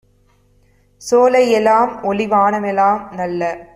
சோலையெ லாம்ஒளி வானமெலாம் - நல்ல